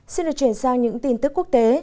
xin được truyền sang những tin tức quốc tế